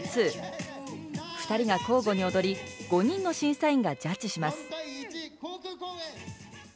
２人が交互に踊り、５人の審査員がジャッジします。